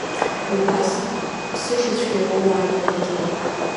Убас ԥсышьацәгьа уоуааит уаргьы.